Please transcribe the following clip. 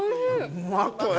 うまっ、これ。